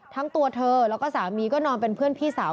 ทั้งตัวเธอแล้วก็สามีก็นอนเป็นเพื่อนพี่สาว